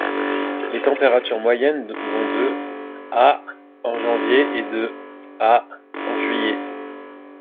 Les températures moyennes vont de à en janvier, et de à en juillet.